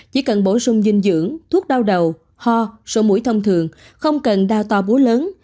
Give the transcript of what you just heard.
chỉ cần bổ sung dinh dưỡng thuốc đau đầu ho sổ mũi thông thường không cần đau to búa lớn